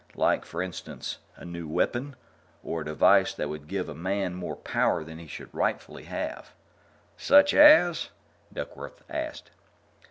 Like, for instance, a new weapon, or a device that would give a man more power than he should rightfully have." "Such as?" Duckworth asked.